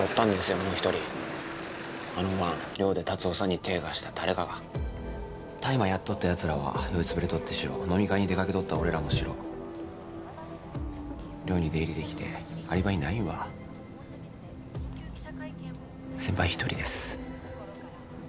もう一人あの晩寮で達雄さんに手え貸した誰かが大麻やっとったやつらは酔いつぶれとってシロ飲み会に出かけとった俺らもシロ寮に出入りできてアリバイないんは先輩一人です